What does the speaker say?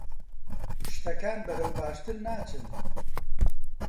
شتەکان بەرەو باشتر ناچن.